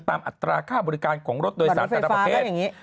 อัตราค่าบริการของรถโดยสารแต่ละประเภท